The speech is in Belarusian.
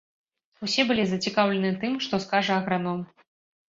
Усе былі зацікаўлены тым, што скажа аграном.